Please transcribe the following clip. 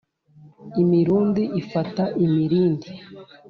imirundi ifata imirindi